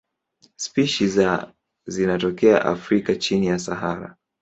Spishi za zinatokea Afrika chini ya Sahara.